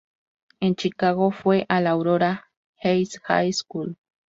En Chicago fue al Aurora East High School.